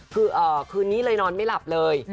คือคืนนี้เลยนอนไม่หลับเลย